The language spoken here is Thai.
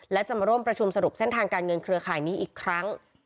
และจะมาร่วมประชุมสรุปเส้นทางการเงินเครือข่ายนี้อีกครั้ง